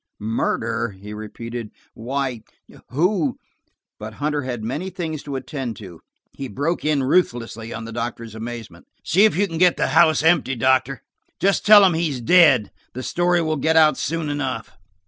"Murder!" he repeated. "Why–who–" But Hunter had many things to attend to; he broke in ruthlessly on the doctor's amazement. "See if you can get the house empty, Doctor; just tell them he is dead–the story will get out soon enough."